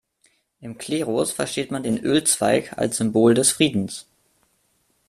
Im Klerus versteht man den Ölzweig als Symbol des Friedens.